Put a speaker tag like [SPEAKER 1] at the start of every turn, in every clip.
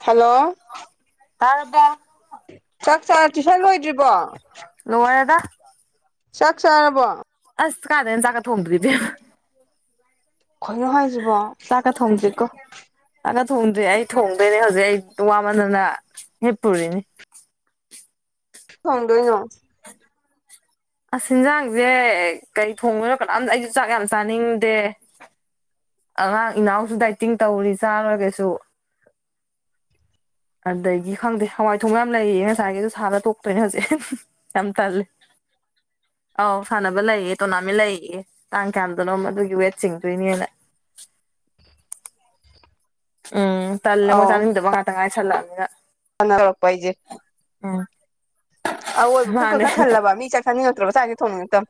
[SPEAKER 1] Hello
[SPEAKER 2] ꯇꯥꯔꯕꯣ꯫
[SPEAKER 1] ꯆꯥꯛ ꯆꯥꯔ ꯇꯨꯏꯁꯟ ꯂꯣꯏꯗ꯭ꯔꯤꯕꯣ꯫
[SPEAKER 2] ꯂꯣꯏꯔꯦꯗ꯫
[SPEAKER 1] ꯆꯥꯛ ꯆꯥꯔꯕꯣ꯫
[SPEAKER 2] ꯑꯁ ꯀꯥꯏꯗꯩꯅꯣ ꯆꯥꯛꯀ ꯊꯣꯡꯗ꯭ꯔꯤ ꯏꯕꯦꯝꯃ꯫
[SPEAKER 1] ꯈꯩꯅꯣ ꯍꯥꯏꯖꯤꯕꯣ꯫
[SPEAKER 2] ꯆꯛꯀ ꯊꯣꯡꯗꯔꯤꯀꯣ ꯆꯥꯛꯀ ꯊꯣꯡꯗ꯭ꯔꯤ ꯑꯩ ꯊꯣꯡꯗꯣꯏꯅꯦ ꯍꯧꯖꯤꯛ ꯑꯩ ꯋꯥꯃꯟꯗꯅ ꯍꯤꯞꯄꯨꯔꯤꯅꯤ
[SPEAKER 1] ꯊꯣꯡꯗꯣꯏꯅꯣ
[SPEAKER 2] [unintelligible] ꯑꯁ ꯍꯤꯟꯖꯥꯡꯁꯦ ꯀꯩ ꯊꯣꯡꯉꯣꯏꯅꯣ ꯀꯅꯥꯝꯇ ꯑꯩꯁꯨ ꯆꯥꯛ ꯌꯥꯝ ꯆꯥꯅꯤꯡꯗꯦ ꯑꯉꯥꯡ ꯏꯅꯥꯎꯁꯨ ꯗꯥꯏꯇꯤꯡ ꯇꯧꯔꯤ ꯆꯥꯔꯣꯏꯀꯩꯁꯨ ꯑꯗꯒꯤ ꯈꯪꯗꯦ ꯍꯋꯥꯏ ꯊꯣꯡ ꯌꯥꯝ ꯂꯩꯌꯦ ꯉꯁꯥꯏꯒꯤꯁꯨ ꯁꯥꯍꯜꯂ ꯇꯣꯛꯇꯣꯏꯅꯦ ꯍꯧꯖꯤꯛ ꯌꯥꯝ ꯇꯜꯂꯤ ꯑꯧ ꯁꯥꯟꯅꯕ ꯂꯩꯌꯦ ꯇꯣꯔꯅꯥꯃꯦꯟ ꯂꯩꯌꯦ ꯇꯥꯡ ꯀꯌꯥꯗꯅꯣꯝꯃ ꯑꯗꯨꯒꯤ ꯋꯦꯠ ꯆꯤꯡꯗꯣꯏꯅꯦꯅ ꯎꯝ ꯇꯜꯂꯦ ꯃꯣꯏ
[SPEAKER 1] ꯑꯧ
[SPEAKER 2] ꯆꯥꯅꯤꯡꯗꯕ ꯉꯥꯛꯇ ꯉꯥꯏꯁꯜꯂꯛꯑꯝꯅꯤꯅ
[SPEAKER 1] ꯇꯧꯔꯛꯄ ꯍꯥꯏꯁꯦ ꯑꯋꯣꯏꯕ ꯄꯨꯛꯀ
[SPEAKER 2] ꯃꯥꯅꯦ
[SPEAKER 1] ꯈꯔ ꯊꯜꯂꯕ ꯃꯤ ꯆꯥꯛ ꯆꯅꯤꯡ ꯉꯛꯇꯔꯕ ꯆꯛ ꯍꯦꯛꯇꯥ ꯊꯣꯡꯅꯤꯉꯛ ꯇꯝ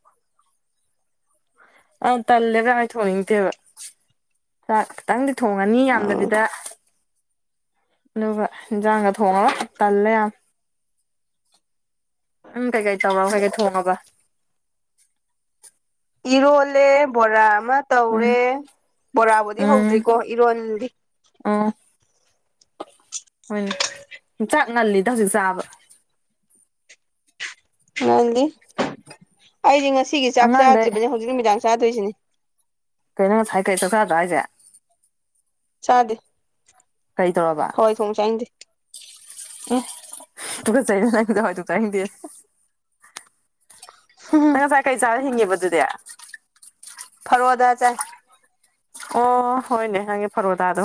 [SPEAKER 2] ꯑ ꯇꯜꯂꯦꯕ ꯑꯩ ꯊꯣꯡꯅꯤꯡꯇꯦꯕ ꯆꯥꯛ ꯈꯤꯇꯪꯗꯤ ꯊꯣꯡꯉꯅꯤ
[SPEAKER 1] ꯎꯝ
[SPEAKER 2] ꯌꯥꯝꯗꯕꯤꯗ ꯑꯗꯨꯒ ꯏꯟꯖꯥꯡꯒ ꯊꯣꯡꯉꯔꯣꯏ ꯇꯜꯂꯦ ꯌꯥꯝ ꯎꯝ ꯀꯩꯀꯩ ꯇꯧꯔꯕ ꯀꯩꯀꯩ ꯊꯣꯡꯉꯕ
[SPEAKER 1] ꯏꯔꯣꯜꯂꯦ ꯕꯣꯔꯥ ꯑꯃ
[SPEAKER 2] ꯎꯝ
[SPEAKER 1] ꯇꯧꯔꯦ ꯕꯣꯔꯥꯕꯨꯗꯤ
[SPEAKER 2] ꯎꯝ
[SPEAKER 1] ꯍꯧꯗ꯭ꯔꯤꯀꯣ ꯏꯔꯣꯜꯂꯤ
[SPEAKER 2] ꯑꯣ ꯍꯣꯏꯅꯦ ꯆꯥꯛ ꯉꯜꯂꯤꯗ ꯍꯧꯖꯤꯛ ꯆꯥꯕ
[SPEAKER 1] [unintelligible] ꯉꯜꯂꯤ ꯑꯩꯗꯤ ꯉꯁꯤꯒꯤ ꯆꯥꯛ
[SPEAKER 2] ꯑꯉꯥꯡꯈꯩ
[SPEAKER 1] ꯆꯥꯗ꯭ꯔꯤꯕꯅꯦ ꯍꯧꯖꯤꯛ ꯅꯨꯃꯤꯗꯥꯡ ꯆꯥꯗꯣꯏꯁꯤꯅꯤ
[SPEAKER 2] ꯀꯩꯅꯣ ꯉꯁꯥꯏꯈꯩ ꯆꯥꯛ ꯆꯥꯗ꯭ꯔꯣ ꯍꯥꯏꯁꯦ
[SPEAKER 1] ꯆꯥꯗꯦ
[SPEAKER 2] ꯀꯩ ꯇꯧꯔꯕ
[SPEAKER 1] ꯍꯋꯥꯏꯊꯣꯡ ꯆꯅꯤꯡꯗꯦ
[SPEAKER 2] ꯇꯨꯀꯥꯛꯆꯩꯍꯦ ꯅꯪꯁꯨ ꯍꯥꯋꯥꯏ ꯊꯣꯡ ꯆꯅꯤꯡꯗꯦꯌꯦ ꯅꯪ ꯉꯁꯥꯏ ꯀꯩ ꯆꯥꯔ ꯍꯤꯡꯉꯦꯕ ꯑꯗꯨꯗꯤ
[SPEAKER 1] ꯐꯔꯣꯗ ꯆꯥꯏ
[SPEAKER 2] ꯑꯣ ꯍꯣꯏꯅꯦ ꯅꯪꯒꯤ ꯐꯔꯣꯗꯥꯗꯣ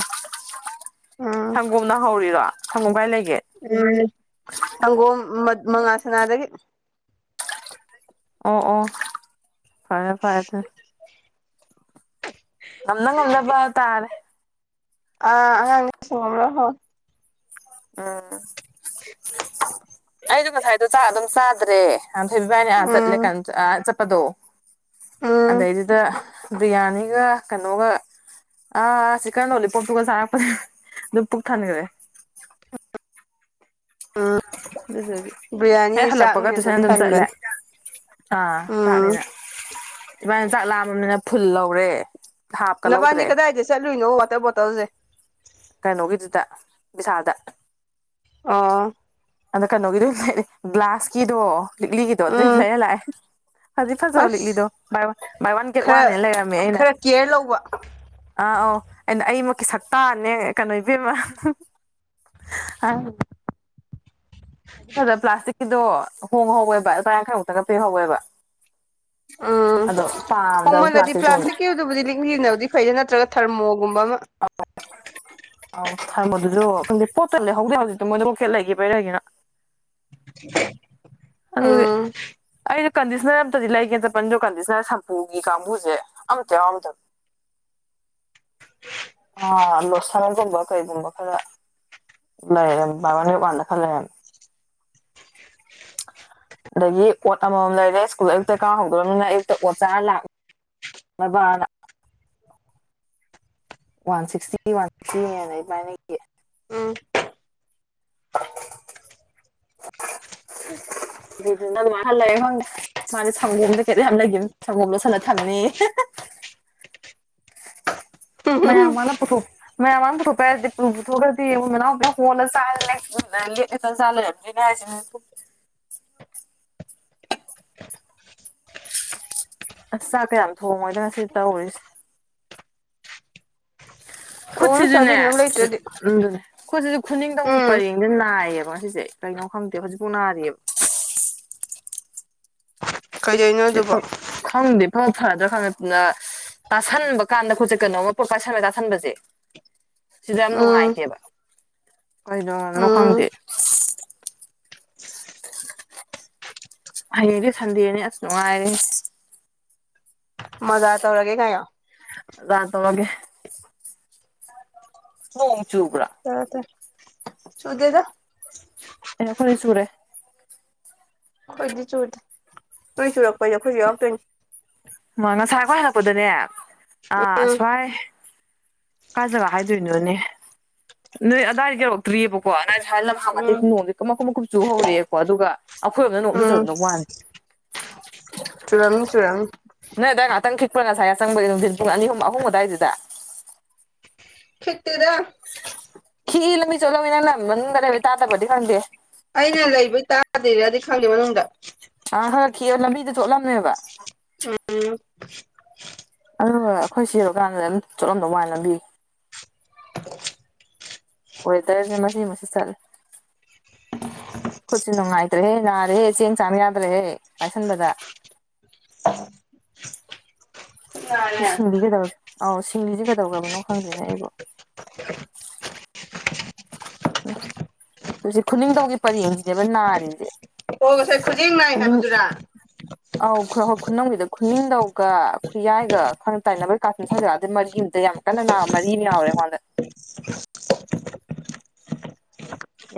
[SPEAKER 1] ꯎꯝ
[SPEAKER 2] ꯁꯪꯒꯣꯝꯅ ꯍꯧꯔꯤꯔꯣ ꯁꯪꯒꯣꯝ ꯀꯥꯏ ꯂꯩꯒꯦ
[SPEAKER 1] ꯎꯝ ꯁꯪꯒꯣꯝ ꯃꯉꯥꯜ ꯁꯅꯥꯗꯒꯤ
[SPEAKER 2] ꯑꯣ ꯑꯣ ꯐꯔꯦ ꯐꯔꯦ ꯑꯗꯨ
[SPEAKER 1] [unintelligible]
[SPEAKER 2] ꯉꯝꯅ ꯉꯝꯅꯕ ꯇꯥꯔꯦ
[SPEAKER 1] ꯑꯥ ꯑꯉꯥꯡ ꯊꯤꯡꯉꯝꯕ꯭ꯔ ꯍꯣꯢ
[SPEAKER 2] ꯎꯝ ꯑꯩꯗꯣ ꯉꯁꯥꯏꯗꯣ ꯆꯥꯛ ꯑꯗꯨꯝ ꯆꯥꯗ꯭ꯔꯦ ꯉꯥꯟꯊꯣꯏꯕꯤ ꯏꯕꯥꯏꯅꯤ ꯑꯥ ꯆꯠꯂꯦ
[SPEAKER 1] ꯎꯝ
[SPEAKER 2] ꯀꯥꯟ ꯑ ꯆꯠꯄꯗꯣ
[SPEAKER 1] ꯎꯝ
[SPEAKER 2] ꯑꯗꯩꯗꯨꯗ ꯕꯤꯔꯌꯥꯅꯤꯒ ꯀꯅꯣꯒ ꯑ ꯆꯤꯀꯜ ꯂꯣꯂꯤꯄꯣꯞꯇꯨꯒ ꯆꯥꯔꯛꯄ ꯑꯗꯨ ꯄꯨꯛ ꯊꯟꯒ꯭ꯔꯦ ꯑꯗꯨꯗꯨꯒꯤ ꯍꯦꯛ
[SPEAKER 1] ꯕꯤꯔꯌꯥꯅꯤ
[SPEAKER 2] ꯍꯜꯂꯛꯄꯒ
[SPEAKER 1] ꯆꯥꯛꯅꯤ
[SPEAKER 2] ꯇꯨꯏꯁꯟ ꯑꯗꯨꯝ ꯆꯠꯂꯦ
[SPEAKER 1] ꯊꯟꯕꯅꯤ
[SPEAKER 2] ꯑꯥ
[SPEAKER 1] ꯎꯝ
[SPEAKER 2] ꯆꯥꯛꯅꯦꯅ ꯏꯕꯥꯏꯅꯤ ꯆꯥꯛ ꯂꯥꯝꯃꯤꯅꯤꯅ ꯐꯨꯜ ꯂꯧꯔꯦ ꯍꯥꯞꯀ
[SPEAKER 1] ꯅꯕꯥꯏꯅꯤ
[SPEAKER 2] ꯂꯧꯗ꯭ꯔꯦ
[SPEAKER 1] ꯀꯗꯥꯏꯗ ꯆꯠꯂꯨꯏꯅꯣ ꯋꯥꯇꯔ ꯕꯣꯇꯜꯖꯦ
[SPEAKER 2] ꯀꯩꯅꯣꯒꯤꯗꯨꯗ ꯕꯤꯁꯥꯜꯗ
[SPEAKER 1] ꯑꯣ
[SPEAKER 2] ꯑꯗ ꯀꯩꯅꯣꯒꯤꯗꯦ ꯂꯩꯔꯛꯑꯦ ꯒ꯭ꯂꯥꯁꯀꯤꯗꯣ ꯂꯤꯛꯂꯤꯒꯤꯗꯣ ꯑꯗꯨꯢ
[SPEAKER 1] ꯎꯝ
[SPEAKER 2] ꯂꯩꯔꯦ ꯂꯥꯛꯑꯦ ꯐꯗꯤ ꯐꯖꯕꯅꯤ ꯂꯤꯛꯂꯤꯗꯣ
[SPEAKER 1] ꯑꯁ
[SPEAKER 2] ꯕꯥꯏ ꯋꯥꯟ ꯕꯥꯏ ꯋꯥꯟ ꯒꯦꯠ
[SPEAKER 1] ꯈꯔ
[SPEAKER 2] ꯋꯥꯟꯅꯦꯅ ꯂꯩꯔꯝꯃꯦ ꯑꯩꯅ
[SPEAKER 1] ꯈꯔ ꯀꯦꯌꯔ ꯂꯧꯕ
[SPEAKER 2] ꯑꯥ ꯑꯧ ꯑꯩꯅ ꯑꯩꯃꯛꯀꯤ ꯁꯛꯇꯅꯦ ꯀꯩꯅꯣ ꯏꯕꯦꯝꯃ ꯑꯥ ꯐꯜꯗ ꯄ꯭ꯂꯥꯁꯇꯤꯛꯀꯤꯗꯣ ꯍꯣꯡꯉꯍꯧꯋꯦꯕ ꯂꯨꯄꯥ ꯌꯥꯡꯈꯩꯃꯨꯛꯇꯒ ꯄꯤꯍꯧꯋꯦꯕ
[SPEAKER 1] ꯎꯝ
[SPEAKER 2] ꯑꯗꯣ ꯄꯥꯗꯕ ꯄ꯭ꯂꯥꯁꯇꯤꯛ ꯇꯣ ꯃꯨꯛ
[SPEAKER 1] ꯑꯗꯨꯕꯨꯗꯤ ꯂꯤꯛꯂꯤꯅꯕꯨꯗꯤ ꯐꯩꯗ ꯅꯠꯇ꯭ꯔꯒ ꯊꯔꯃꯣ ꯒꯨꯝꯕ ꯑꯃ
[SPEAKER 2] ꯑꯧ ꯊꯔꯃꯣꯗꯨꯗꯨ ꯈꯪꯗꯦ ꯄꯣꯠꯇ ꯂꯩꯍꯧꯗꯦ ꯍꯧꯖꯤꯛꯇꯣ ꯃꯣꯏꯗ ꯕ꯭ꯔꯣꯛꯀꯦꯠ ꯂꯩꯒꯤꯕꯩꯔ ꯀꯩꯒꯤꯅꯣ
[SPEAKER 1] ꯑ
[SPEAKER 2] ꯑꯗꯨꯒꯤ
[SPEAKER 1] [unintelligible]
[SPEAKER 2] ꯑꯩꯗꯣ ꯀꯟꯗꯤꯁꯅꯔ ꯑꯝꯇꯗꯤ ꯂꯩꯒꯦ ꯆꯠꯄꯅꯤ ꯗꯨ ꯀꯟꯗꯤꯁꯅꯔ ꯁꯝꯄꯨꯒꯤ ꯀꯥꯡꯕꯨꯖꯦ ꯑꯝꯇ ꯌꯥꯎꯔꯝꯗꯞ ꯑ ꯂꯣꯁꯟ ꯒꯨꯝꯕ ꯀꯩꯒꯨꯝꯕ ꯈꯔ ꯂꯩꯔꯝ ꯕꯥꯏ ꯋꯥꯥꯟꯗ ꯒꯦꯠ ꯋꯥꯟꯗ ꯈꯔ ꯂꯩꯔꯝ ꯑꯗꯒꯤ ꯑꯣꯠ ꯑꯃꯃꯝ ꯂꯩꯔꯦ ꯁ꯭ꯀꯨꯜ ꯑꯌꯨꯛꯇ ꯀꯥ ꯍꯧꯗ꯭ꯔꯕꯅꯤꯅ ꯑꯌꯨꯛꯇ ꯑꯣꯠ ꯆꯥꯔ ꯂꯥꯛ ꯅꯕꯅ ꯋꯥꯟ ꯁꯤꯛꯁꯇꯤ ꯋꯥꯟ ꯁꯤꯛꯁꯇꯤꯅꯦꯅ ꯏꯕꯥꯏꯅꯤꯒꯤ
[SPEAKER 1] ꯎꯝ
[SPEAKER 2] [unintelligible] ꯑꯗꯨꯗꯤ ꯅꯪꯃꯜ ꯈꯜꯂꯦꯂ ꯈꯪꯗꯦ ꯃꯥꯗꯤ ꯁꯪꯒꯣꯝꯗ ꯀꯩꯇ ꯌꯥꯝ ꯂꯩꯈꯤꯕ ꯁꯪꯒꯣꯝ ꯂꯣꯠꯁꯜꯂ ꯊꯝꯅꯤꯌꯦ ꯃꯌꯝ ꯃꯅ ꯄꯨꯊꯣ ꯃꯌꯥꯝ ꯃꯥꯡꯗ ꯄꯨꯊꯣꯄꯔ ꯍꯥꯏꯗꯤ ꯎꯝ ꯄꯨꯊꯣꯛꯑꯒꯗꯤ ꯃꯣꯏ ꯃꯅꯥꯎꯄꯤꯅ ꯍꯣꯜꯂꯒ ꯆꯔꯥ ꯂꯦꯛ ꯂꯦꯛꯇ ꯆꯔꯥ ꯂꯩꯔꯕꯅꯤ ꯖꯤꯅꯦ ꯍꯥꯏꯁꯦ ꯃꯤꯀꯨꯞ ꯑꯁ ꯆꯥꯛ ꯀ ꯌꯥꯝ ꯊꯣꯡꯉꯣꯏꯗ ꯉꯁꯤ ꯇꯧꯔꯤꯁꯦ
[SPEAKER 1] ꯁꯑꯣꯝ
[SPEAKER 2] ꯈꯣꯠꯁꯤꯖꯨꯅꯦ
[SPEAKER 1] ꯆꯥꯕꯤꯅ ꯑꯃ ꯂꯩꯇ꯭ꯔꯗꯤ
[SPEAKER 2] ꯎꯝ ꯑꯗꯨꯅꯦ ꯈꯨꯠ ꯁꯤꯖꯨ ꯈꯨꯅꯤꯡꯗꯧꯒꯤ
[SPEAKER 1] ꯎꯝ
[SPEAKER 2] ꯄꯔꯦꯡꯖꯦ ꯅꯥꯏꯌꯦꯕ ꯉꯁꯤꯁꯦ ꯀꯩꯅꯣ ꯈꯪꯗꯦ ꯍꯧꯖꯤꯛꯐꯥꯎ ꯅꯥꯔꯤꯑꯕ
[SPEAKER 1] ꯀꯩꯗꯩꯅꯣ ꯑꯗꯨꯕꯣ
[SPEAKER 2] ꯈꯪꯗꯦ ꯏꯐ ꯐꯗ꯭ꯔꯥ ꯈꯪꯂ ꯑ ꯇꯥꯁꯟꯕ ꯀꯥꯟꯗ ꯈꯨꯠꯁꯦ ꯀꯩꯅꯣꯝꯃ ꯄꯣꯠ ꯄꯥꯏꯁꯟꯂ ꯇꯥꯁꯟꯕꯁꯦ ꯁꯤꯗ ꯌꯥꯝ
[SPEAKER 1] ꯎꯝ
[SPEAKER 2] ꯅꯨꯡꯉꯥꯏꯇꯦꯕ ꯀꯩꯗꯧꯔꯅꯣ
[SPEAKER 1] ꯎꯝ
[SPEAKER 2] ꯈꯪꯗꯦ ꯍꯌꯦꯡꯗꯤ ꯁꯟꯗꯦꯅꯦ ꯑꯁ ꯅꯨꯡꯉꯥꯏꯔꯦꯍꯦ
[SPEAKER 1] ꯃꯖꯥ ꯇꯧꯔꯒꯦ ꯒꯥꯏꯌꯣ
[SPEAKER 2] ꯃꯖꯥ ꯇꯧꯔꯒꯦ ꯅꯣꯡ ꯆꯨꯕ꯭ꯔꯣ
[SPEAKER 1] ꯇꯥꯗꯦ ꯆꯨꯗꯦꯗ
[SPEAKER 2] ꯑꯦ ꯑꯩꯈꯣꯏ ꯆꯨꯔꯦ
[SPEAKER 1] ꯑꯩꯈꯣꯏꯗꯤ ꯆꯨꯗꯦ ꯅꯣꯏ ꯆꯨꯔꯛꯄꯩ ꯑꯩꯈꯣꯏꯒꯤ ꯌꯥꯎꯔꯛꯇꯣꯏꯅꯤ
[SPEAKER 2] ꯃ ꯉꯁꯥꯏ ꯑꯩꯈꯣꯏ ꯍꯜꯂꯛꯄꯗꯅꯦ ꯑꯥ
[SPEAKER 1] ꯎꯝ
[SPEAKER 2] ꯑꯁꯋꯥꯏ ꯀꯥꯏ ꯖꯒꯥ ꯍꯥꯏꯗꯣꯏꯅꯣꯅꯦ ꯅꯣꯏ ꯑꯗꯥꯏ ꯌꯧꯔꯛꯇ꯭ꯔꯤꯑꯕꯀꯣ ꯑꯗꯥꯏ ꯍꯥꯏ ꯂꯝ ꯍꯡ
[SPEAKER 1] ꯎꯝ
[SPEAKER 2] ꯃꯇꯦꯛꯇꯤ ꯅꯣꯡꯖꯦ ꯀ ꯃꯀꯨꯞ ꯃꯀꯨꯞ ꯆꯨꯍꯧꯔꯛꯑꯦꯀꯣ ꯑꯗꯨꯒ ꯑꯈꯣꯏ ꯔꯣꯝꯗꯅ ꯅꯣꯡ ꯑꯝ
[SPEAKER 1] ꯎꯝ
[SPEAKER 2] ꯆꯨꯔꯝꯗ ꯋꯥꯅꯦ
[SPEAKER 1] ꯆꯨꯔꯝꯅꯤ ꯆꯨꯔꯝꯅꯤ
[SPEAKER 2] ꯅꯣꯏ ꯑꯗꯋꯥꯏ ꯉꯥꯛꯍꯛꯇꯪ ꯈꯤꯠꯄꯔ ꯉꯁꯥꯏ ꯌꯆꯪꯕꯒꯤ ꯅꯨꯡꯊꯤꯟ ꯄꯨꯡ ꯑꯅꯤ ꯍꯨꯝ ꯑꯍꯨꯝ ꯑꯗꯨꯋꯥꯏꯗꯨꯗ
[SPEAKER 1] ꯈꯤꯛꯇꯦꯗ
[SPEAKER 2] ꯈꯤꯂꯃꯤ ꯆꯂꯣ ꯃꯤꯅꯪꯅ ꯃꯟꯔꯦ ꯇꯥꯗꯕꯔꯥꯗ ꯈꯪꯗꯦ
[SPEAKER 1] ꯑꯩꯅ ꯂꯩꯕꯩ ꯇꯥꯗꯦꯔꯗꯤ ꯈꯪꯗꯦ ꯃꯅꯨꯡꯗ
[SPEAKER 2] ꯑ ꯍꯪꯉꯛꯈꯤꯑ ꯂꯝꯕꯤꯗꯣ ꯊꯣꯛꯂꯝꯃꯦꯕ
[SPEAKER 1] ꯎꯝ [unintelligible]
[SPEAKER 2] ꯑꯗꯨꯒ ꯑꯩꯈꯣꯏ ꯁꯤꯔꯨ ꯀꯥꯟꯗ ꯑꯗꯨꯝ ꯆꯣꯠꯂꯝꯗꯧ ꯋꯥ ꯂꯝꯕꯤ
[SPEAKER 1] [unintelligible]
[SPEAKER 2] ꯋꯦꯗꯔꯁꯦ ꯃꯁꯤꯃ ꯆꯠꯂꯦ ꯈꯨꯠꯁꯨ ꯅꯨꯡꯉꯥꯏꯇ꯭ꯔꯦꯍꯦ ꯅꯥꯔꯦꯍꯦ ꯆꯦꯡ ꯆꯥꯡꯝ ꯌꯥꯗ꯭ꯔꯦꯍꯦ ꯄꯥꯏꯁꯟꯕꯗ
[SPEAKER 1] ꯈꯨꯠꯅꯅꯦ
[SPEAKER 2] ꯁꯤꯡꯂꯤ ꯀꯩꯗꯧꯁꯦ ꯑꯧ ꯁꯤꯡꯂꯤꯁꯦ ꯀꯩꯗꯧꯕꯅꯣ ꯈꯪꯗ꯭ꯔꯦꯅꯦ ꯑꯩꯕꯨ
[SPEAKER 1] [unintelligible]
[SPEAKER 2] ꯍꯧꯖꯤꯛ ꯈꯨꯅꯤꯡꯊꯧꯒꯤ ꯄꯔꯦꯡꯁꯤꯅꯦꯕ ꯅꯥꯔꯤꯁꯦ
[SPEAKER 1] ꯑꯣ ꯉꯁꯥꯏ ꯈꯨꯖꯦꯡ ꯅꯥꯏ
[SPEAKER 2] ꯈꯨꯅꯤꯡ
[SPEAKER 1] ꯍꯥꯏꯕꯗꯨꯔꯥ
[SPEAKER 2] ꯑꯧ ꯈꯨꯔꯧ ꯈꯨꯅꯧꯒꯤꯗ ꯈꯨꯅꯤꯡꯗꯧꯒ ꯈꯨꯌꯥꯏꯒ ꯈꯔ ꯇꯥꯏꯅꯕꯩ ꯀꯥꯝ ꯁꯥꯏ ꯖꯒꯗ ꯃꯔꯤ ꯑꯃꯇ ꯌꯥꯝ ꯀꯟꯅ ꯅꯥꯕ ꯃꯔꯤ ꯑꯃ ꯌꯥꯎꯔꯦ ꯑꯩꯉꯣꯟꯗ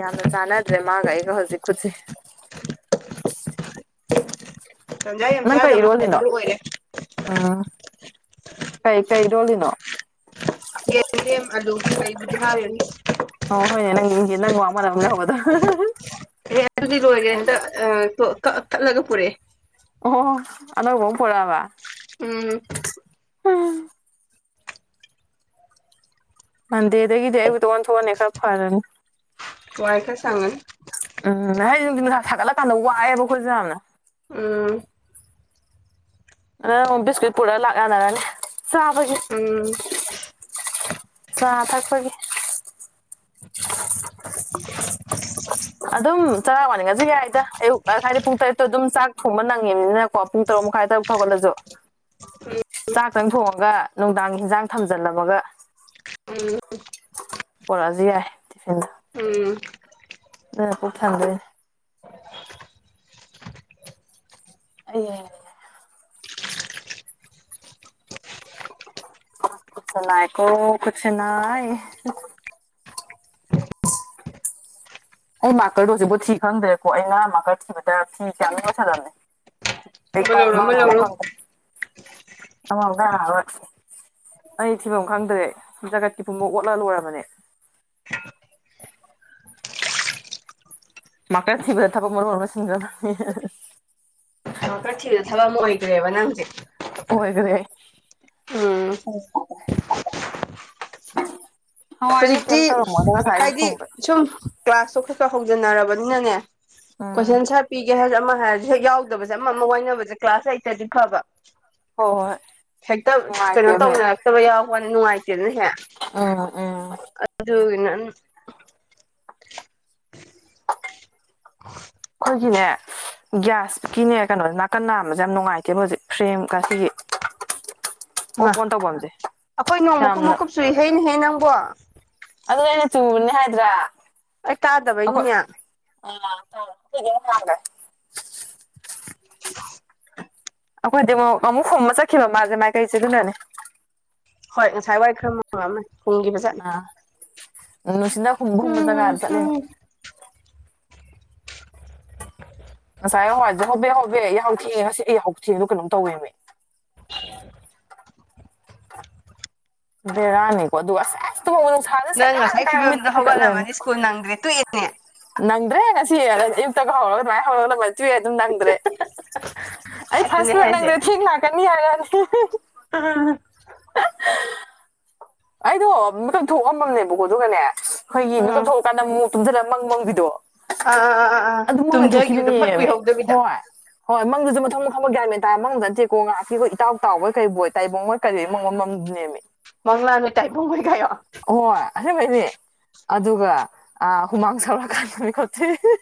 [SPEAKER 2] ꯌꯥꯝꯅ ꯆꯥꯟꯅꯗ꯭ꯔꯦ ꯃꯥꯒ ꯑꯩꯒ ꯍꯧꯖꯤꯛ ꯈꯨꯠꯁ
[SPEAKER 1] ꯇꯟꯖꯥ ꯌꯥꯝ
[SPEAKER 2] ꯅꯪ ꯀꯩ
[SPEAKER 1] ꯆꯥꯗꯕ
[SPEAKER 2] ꯏꯔꯣꯜꯂꯤꯅꯣ
[SPEAKER 1] ꯍꯥꯏꯕꯗꯨ ꯑꯣꯏꯔꯦ
[SPEAKER 2] ꯎꯝ ꯀꯩ ꯀꯩ ꯂꯣꯜꯂꯤꯅꯣ
[SPEAKER 1] ꯌꯦꯟꯗꯦꯝ ꯑꯂꯨꯒꯤ ꯂꯩ ꯍꯥ [inaudible]
[SPEAKER 2] ꯑꯣ ꯍꯣꯏꯅꯦ ꯅꯪ ꯅꯪ ꯋꯥꯃꯅ ꯑꯃꯅꯦ ꯍꯗ [inaudible]
[SPEAKER 1] ꯑꯦ ꯑꯗꯨꯗꯤ ꯂꯣꯏꯈ꯭ꯔꯦ ꯍꯟꯇꯥꯛ ꯀꯠꯂꯒ ꯄꯨꯔꯛꯑꯦ
[SPEAKER 2] ꯑꯣ ꯑꯅꯧꯕ ꯑꯃ ꯄꯨꯔꯛꯑꯥꯕ
[SPEAKER 1] ꯎꯝ
[SPEAKER 2] ꯃꯟꯗꯦꯗꯒꯤꯗꯤ ꯑꯌꯨꯛꯇ ꯑꯣꯟ ꯊꯣꯛꯑꯅꯤ ꯈꯔ ꯐꯔꯅꯤ
[SPEAKER 1] ꯋꯥꯏ ꯈꯔꯥ ꯁꯪꯉꯅꯤ
[SPEAKER 2] ꯎꯝ ꯅ ꯍꯥꯏ ꯅꯨꯡꯊꯤꯟꯅꯨꯡꯁꯥ ꯁꯥꯒꯠꯂꯀꯥꯟꯗ ꯋꯥꯏꯑꯦꯕ ꯑꯩꯈꯣꯏꯁꯨ ꯌꯥꯝꯅ
[SPEAKER 1] ꯎꯝ
[SPEAKER 2] ꯑ ꯕꯤꯁꯀꯨꯠ ꯄꯨꯔꯒ ꯂꯥꯛꯅꯔꯅꯤ ꯆꯥꯕꯒꯤ
[SPEAKER 1] ꯎꯝ
[SPEAKER 2] ꯆꯥ ꯊꯥꯛꯄꯒꯤ
[SPEAKER 1] [unintelligible]
[SPEAKER 2] ꯎꯝ ꯆꯔꯥ ꯋꯥꯅꯤꯡꯉꯁꯨ ꯌꯥꯏꯗ ꯑꯌꯨꯛ ꯍꯥꯏꯗꯤ ꯄꯨꯡ ꯇꯔꯦꯠꯇꯣ ꯑꯗꯨꯝ ꯆꯥꯛ ꯊꯣꯡꯕ ꯅꯪꯉꯤꯕꯅꯤꯅꯀꯣ ꯄꯨꯡ ꯇꯔꯨꯛ ꯃꯈꯥꯏꯗ ꯍꯧꯒꯠꯂꯥꯁꯨ
[SPEAKER 1] [unintelligible]
[SPEAKER 2] ꯆꯥꯛꯇꯪ ꯊꯣꯡꯉꯒ ꯅꯨꯡꯗꯥꯡ ꯍꯟꯖꯥꯡ ꯊꯝꯖꯜꯂꯝꯃꯒ
[SPEAKER 1] ꯎꯝ
[SPEAKER 2] ꯄꯨꯔꯛꯑꯁꯨ ꯌꯥꯏ ꯍꯥꯢꯅ
[SPEAKER 1] ꯎꯝ
[SPEAKER 2] ꯑꯗꯨꯅ ꯄꯣꯛ ꯊꯟꯗꯣꯏꯅꯤ ꯑꯦ ꯈꯨꯠꯁꯤ ꯅꯥꯏꯀꯣ ꯈꯨꯠꯁꯤ ꯅꯥꯏ ꯑꯩ ꯃꯥꯀꯔꯗꯨꯣꯖꯤꯕꯨ ꯊꯤ ꯈꯪꯗ꯭ꯔꯦꯀꯣ ꯑꯩꯅ ꯃꯥꯀꯔ ꯊꯤꯕꯗ ꯐꯤ ꯀꯌꯥꯝ ꯂꯣꯢꯁꯤꯜꯂꯝꯃꯦ
[SPEAKER 1] ꯑꯃ ꯂꯧꯔꯣ ꯑꯃ
[SPEAKER 2] ꯑꯩ
[SPEAKER 1] ꯂꯧꯔꯣ
[SPEAKER 2] ꯀꯔ ꯑ ꯀ [inaudible] ꯑꯩ ꯊꯤꯕꯝ ꯈꯪꯗ꯭ꯔꯦ ꯖꯥꯒꯠꯀꯤ ꯄꯨꯝꯕ ꯑꯣꯠꯂꯒ ꯂꯣꯏꯔꯕꯅꯦ ꯃꯥꯛꯀꯥꯔ ꯊꯤꯕꯗ ꯊꯕꯛ ꯃꯔꯣꯟ ꯑꯃ ꯂꯣꯢꯁꯤꯟꯈꯔꯕꯅꯤ
[SPEAKER 1] ꯃꯥꯀꯔ ꯊꯤꯕꯗ ꯊꯕꯛ ꯑꯃ ꯑꯣꯏꯒꯔꯦꯕ ꯅꯪꯁꯦ
[SPEAKER 2] ꯑꯣꯏꯒꯔꯦ
[SPEAKER 1] ꯎꯝ
[SPEAKER 2] ꯍꯋꯥꯢꯁꯦ ꯀꯦꯝ
[SPEAKER 1] ꯍꯧꯖꯤꯛꯇꯤ
[SPEAKER 2] ꯇꯧꯔꯝꯃꯣꯢ ꯉꯁꯥꯢ
[SPEAKER 1] ꯍꯥꯏꯗꯤ
[SPEAKER 2] ꯊꯣꯡꯕꯅꯦ
[SPEAKER 1] ꯁꯨꯝ ꯀ꯭ꯂꯥꯁꯇꯣ ꯈꯔ ꯈꯔ ꯍꯧꯖꯟꯅꯔꯕꯅꯤꯅꯅꯦ
[SPEAKER 2] ꯎꯝ
[SPEAKER 1] ꯀꯣꯏꯁꯟ ꯁꯥꯔ ꯄꯤꯒꯦ ꯍꯥꯏꯔ ꯑꯃ ꯍꯥꯏꯔꯁꯨ ꯍꯦꯛ ꯌꯥꯎꯗꯕꯁꯦ ꯑꯃ ꯑꯃ ꯋꯥꯅꯕꯁꯦ ꯀ꯭ꯂꯥꯁ ꯂꯩꯇꯔꯗꯤ ꯐꯕ
[SPEAKER 2] ꯍꯣꯏ ꯍꯣꯏ
[SPEAKER 1] ꯍꯦꯛꯇ ꯀꯩꯅꯣ
[SPEAKER 2] ꯅꯨꯡꯉꯥꯏꯇꯦꯕ ꯍꯦꯛ
[SPEAKER 1] ꯇꯧꯅꯔꯛꯇꯕ ꯌꯥꯎꯕꯅ ꯅꯨꯡꯉꯥꯏꯇꯦ ꯑꯗꯨꯅ ꯍꯦꯛ
[SPEAKER 2] ꯎꯝ ꯎꯝ
[SPEAKER 1] ꯑꯗꯨꯅ
[SPEAKER 2] ꯑꯩꯈꯣꯏꯒꯤꯅꯦ ꯒ꯭ꯌꯥꯁꯀꯤꯅꯦ ꯀꯩꯅꯣꯁꯦ ꯅꯥꯀꯟ ꯅꯥꯝꯃꯁꯦ ꯌꯥꯝ ꯅꯨꯡꯉꯥꯏꯇꯦꯕ ꯍꯧꯖꯤꯛ ꯐ꯭ꯔꯦꯝꯒꯁꯤꯒꯤ
[SPEAKER 1] ꯍꯩꯃꯥ ꯑꯩꯈꯣꯏ ꯅꯣꯡ ꯃꯀꯨꯞ
[SPEAKER 2] ꯌꯥꯝꯅ
[SPEAKER 1] ꯃꯀꯨꯞꯁꯨ ꯆꯨꯢꯅꯦ ꯍꯦ ꯅꯪꯀꯣ
[SPEAKER 2] ꯑꯗꯨꯅꯦ ꯑꯩꯅ ꯆꯨꯕꯅꯦ ꯍꯥꯏꯗ꯭ꯔꯥ
[SPEAKER 1] ꯇꯥꯗꯕꯩꯅꯤꯅꯦ
[SPEAKER 2] [inaudible] ꯑꯩꯈꯣꯏꯗꯤ ꯑꯃꯨꯛ ꯑꯃꯨꯛ ꯍꯣꯝꯃ ꯆꯠꯈꯤꯕ ꯃꯥꯁꯦ ꯃꯥꯏ ꯀꯩꯁꯦ ꯑꯗꯨꯅꯅꯦ
[SPEAKER 1] ꯍꯣꯏ ꯉꯁꯥꯏ ꯋꯥꯔꯤ ꯈꯔ ꯃꯛꯑꯃꯦ ꯄꯨꯡꯒꯤ
[SPEAKER 2] ꯑ ꯅꯨꯡꯁꯤꯅ ꯈꯨꯝꯕ ꯈꯨꯝꯕ
[SPEAKER 1] ꯎꯝ
[SPEAKER 2] ꯖꯒꯥꯗ ꯆꯠꯂꯤꯅꯦ
[SPEAKER 1] ꯎꯝ [unintelligible]
[SPEAKER 2] ꯉꯁꯥꯏ ꯍꯋꯥꯏꯁꯦ ꯍꯣꯕꯦ ꯍꯣꯕꯦ ꯑꯩ ꯌꯥꯍꯧꯊꯦꯡꯉꯦ ꯉꯁꯤ ꯑꯩꯍ ꯍ [inaudible] ꯊꯦꯡꯗ ꯀꯩꯅꯣ ꯇꯧꯋꯦꯕꯃꯦ
[SPEAKER 1] ꯁꯤ [inaudible]
[SPEAKER 2] ꯕꯔꯥꯅꯤꯀꯣ ꯑꯗꯨ ꯑꯁ [inaudible] ꯐ
[SPEAKER 1] ꯅꯪ
[SPEAKER 2] ꯆꯀꯥꯏ
[SPEAKER 1] ꯉꯁꯥꯏ
[SPEAKER 2] ꯀꯃꯤ
[SPEAKER 1] ꯐꯤꯕꯝꯗꯣ
[SPEAKER 2] ꯊꯀꯠ ꯂꯩꯔꯅꯤ
[SPEAKER 1] ꯍꯧꯒꯠꯂꯝꯃꯅꯤ
[SPEAKER 2] [inaudible]
[SPEAKER 1] ꯁ꯭ꯀꯨꯜ ꯅꯪꯗ꯭ꯔꯦ ꯇꯣꯛꯑꯦꯅꯦ
[SPEAKER 2] ꯅꯪꯗ꯭ꯔꯦ ꯉꯁꯤ ꯑꯌꯨꯛꯇꯒ ꯍꯧꯔꯒ ꯃꯚꯥꯏ ꯍꯧꯔꯒꯗ ꯑꯗꯦꯃꯥꯢ ꯇꯧꯔꯗꯤ ꯑꯗꯨꯝ ꯅꯪꯗ꯭ꯔꯦ ꯑꯩ ꯐꯥꯔꯁ
[SPEAKER 1] ꯑꯗꯨꯅꯦ
[SPEAKER 2] ꯐꯨꯗ
[SPEAKER 1] ꯍꯥꯏꯁꯦ
[SPEAKER 2] ꯅꯪꯗꯦ ꯊꯦꯡ ꯂꯥꯛꯀꯅꯤ ꯍꯥꯏꯔꯗꯤ [inaudible]
[SPEAKER 1] ꯀ [unintelligible]
[SPEAKER 2] ꯑꯩꯗꯣ ꯃꯀꯛ ꯊꯣꯛꯑꯝꯃꯝꯅꯦꯕꯀꯣ ꯑꯗꯨꯒꯅꯦ ꯑꯩꯈꯣꯏꯒꯤ
[SPEAKER 1] ꯑꯥ
[SPEAKER 2] ꯃꯀꯛ ꯊꯣꯛꯑꯀꯥꯟꯗ ꯃꯣꯛ ꯇꯨꯝꯊꯅ ꯃꯪ ꯃꯪꯕꯤꯗꯣ
[SPEAKER 1] ꯑꯥ ꯑꯥ ꯑꯥ ꯑꯥ
[SPEAKER 2] ꯑꯗꯨ ꯃꯪ
[SPEAKER 1] ꯇꯨꯝꯊꯒꯤꯈꯤꯕꯗꯣ ꯐꯣꯠ
[SPEAKER 2] ꯂꯩꯊꯣꯛꯈꯤꯕꯅꯦꯃꯤ
[SPEAKER 1] ꯀꯨꯏꯍꯧꯗꯕꯤꯗ
[SPEAKER 2] ꯍꯣꯏ ꯍꯣꯏ ꯃꯪꯗꯨꯁꯨ ꯃꯊꯪ ꯃꯊꯪꯗ ꯌꯥꯏ ꯃꯦꯟꯥꯔ ꯃꯪꯗ ꯅ ꯊꯦꯛꯀꯣ ꯉꯥꯏꯥꯛꯀꯤꯈꯣꯏ ꯏꯇꯥꯎ ꯇꯥꯎꯕꯣꯏꯩ ꯑꯣꯏꯣꯏ ꯇꯥꯏꯕꯣꯡ ꯍꯣꯏ ꯀꯔꯤ ꯃꯉꯝ ꯅꯦꯝꯃꯤ
[SPEAKER 1] ꯃꯪꯂꯥꯅ ꯇꯥꯏꯕꯕꯨꯣꯏꯒꯣ
[SPEAKER 2] ꯍꯣꯏ ꯑꯗꯨ ꯂꯩꯅꯤ ꯑꯗꯨꯒ ꯍꯨꯃꯥꯡ ꯁꯧꯔꯛꯀꯥꯟꯗꯅꯤ ꯈꯣꯠꯇꯔꯤ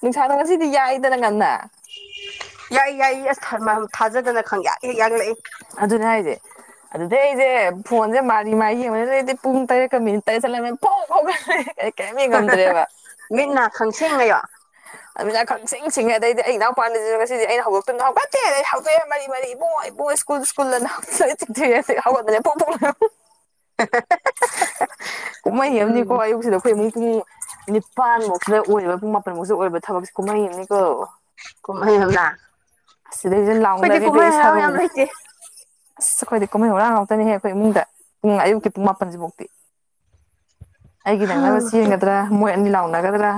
[SPEAKER 2] ꯅꯨꯡꯁꯥꯗꯣ ꯉꯁꯤꯗꯤ ꯌꯥꯏꯗꯅ ꯉꯟꯅ
[SPEAKER 1] ꯌꯥꯏ ꯌꯥꯏꯌꯦ ꯑꯁ ꯊꯥꯖꯗꯅ ꯈꯪꯌꯥꯛ ꯍꯦꯛ ꯌꯥꯛꯂꯛꯑꯦ
[SPEAKER 2] ꯑꯗꯨꯅ ꯍꯥꯏꯗꯤ ꯑꯗꯨꯗꯩ ꯑꯩꯁꯦ ꯐꯣꯟꯁꯦ ꯃꯥꯔꯤ ꯃꯥ ꯌꯦꯡꯕꯗ ꯑꯩꯗꯤ ꯄꯨꯡ ꯇꯔꯦꯠꯀ ꯃꯤꯅꯤꯠ ꯇꯔꯦꯠ ꯆꯠꯂꯝꯃꯦ ꯐꯥꯎ ꯐꯥꯎꯂꯦ
[SPEAKER 1] ꯃꯤꯠꯅ ꯈꯪꯁꯤꯡꯌꯣ
[SPEAKER 2] [unintelligible] ꯑꯗꯨꯅ ꯈꯪ ꯁꯤꯡ ꯁꯤꯡꯉꯦ ꯑꯩꯗꯤ ꯑꯩ ꯏꯅꯥꯎꯄꯄꯥꯗ ꯉꯁꯤꯗꯤ ꯑꯩꯅ ꯍꯧꯒꯛꯇꯅ ꯍꯧꯒꯠꯇꯦ ꯑ ꯍꯧꯑꯦ ꯃꯔꯤ ꯃꯔꯤ ꯕꯣꯏꯕꯣꯏ ꯁ꯭ꯀꯨꯜ ꯀꯨꯂ ꯆꯦ ꯍꯧꯒꯗꯅꯦ ꯐꯨꯝꯐꯨꯝ ꯀꯨꯝꯍꯩ ꯑꯃꯅꯤꯀꯣ
[SPEAKER 1] ꯎꯝ
[SPEAKER 2] ꯑꯌꯨꯛꯁꯤꯗ ꯑꯩꯈꯣꯏ ꯃꯨꯛꯀꯤ ꯅꯤꯄꯥꯟꯃꯧꯁꯤꯗ ꯑꯣꯏꯔꯤꯕ ꯄꯨꯡ ꯃꯥꯄꯟꯐꯧꯁꯤꯗ ꯑꯣꯏꯔꯤꯕ ꯊꯕꯛꯁꯦ ꯀꯨꯝꯍꯩꯅꯦ ꯀꯜ
[SPEAKER 1] ꯀꯨꯝꯍꯩ
[SPEAKER 2] ꯁꯤ ꯂꯩꯁꯤ
[SPEAKER 1] ꯑꯩꯈꯣꯏꯗꯤ
[SPEAKER 2] ꯂꯥꯎꯅꯔꯤꯕ
[SPEAKER 1] ꯀꯨꯝꯍꯩ ꯍꯔꯥꯎ
[SPEAKER 2] ꯏꯁꯧ
[SPEAKER 1] ꯌꯥꯝ ꯂꯩꯇꯦ
[SPEAKER 2] ꯑꯁ ꯑꯩꯈꯣꯏꯗꯤ ꯀꯨꯝꯍꯩ ꯍꯔꯥꯡ ꯉꯥꯛꯇꯅꯤꯍꯦ ꯑꯩꯈꯣꯏ ꯏꯃꯨꯡꯗ ꯄꯨꯡ ꯑꯌꯨꯛꯀꯤ ꯄꯨꯡ ꯃꯥꯄꯟꯁꯤꯐꯧ ꯑꯩꯒꯤ ꯅꯪꯅꯕ
[SPEAKER 1] ꯎꯝ
[SPEAKER 2] ꯆꯦꯒꯗ꯭ꯔꯥ ꯃꯣꯏ ꯑꯅꯤ ꯂꯥꯎꯅꯒꯗ꯭ꯔꯥ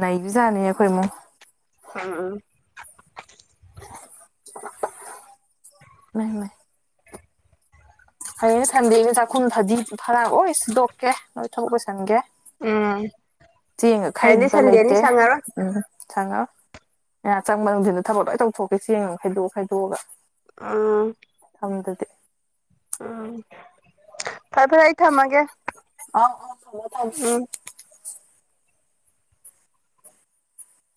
[SPEAKER 2] ꯅꯩꯕꯤꯖꯥꯠꯅꯤ ꯑꯩꯈꯣꯏ ꯏꯃꯨꯡ
[SPEAKER 1] [unintelligible]
[SPEAKER 2] ꯏꯃꯥꯏ ꯃꯥꯏ ꯍꯌꯦꯡꯗꯤ ꯁꯟꯗꯦꯅꯤ ꯆꯥꯛꯈꯨꯝ ꯐꯗꯤ ꯐꯔꯛꯑꯣ ꯑꯣꯗꯣꯛꯀꯦ ꯅꯣꯏ ꯊꯕꯛ ꯂꯣꯏꯁꯤꯟꯒꯦ
[SPEAKER 1] ꯎꯝ
[SPEAKER 2] ꯆꯦꯡꯒ
[SPEAKER 1] ꯍꯌꯦꯡꯗꯤ
[SPEAKER 2] ꯈꯩꯕ
[SPEAKER 1] ꯁꯟꯗꯦꯅꯤ
[SPEAKER 2] ꯂꯩꯇꯦ
[SPEAKER 1] ꯁꯪꯉꯔꯣꯏ
[SPEAKER 2] ꯎꯝ ꯆꯪꯉ ꯉ ꯆꯪꯕ ꯅꯨꯡꯁꯤꯗ ꯊꯕꯛ ꯂꯣꯏ ꯇꯧꯊꯣꯛꯀꯦ ꯆꯦꯡꯉꯣ ꯈꯥꯏꯗꯣꯛꯑ ꯈꯥꯏꯗꯣꯛꯑꯒ
[SPEAKER 1] ꯑꯥ
[SPEAKER 2] ꯁꯝꯗꯨꯗꯤ
[SPEAKER 1] ꯎꯝ ꯐꯔꯦ ꯐꯔꯦ ꯑꯩ ꯊꯝꯃꯒꯦ
[SPEAKER 2] ꯑ ꯊꯝꯃꯨ ꯊꯥꯝꯃꯨ
[SPEAKER 1] ꯎꯝ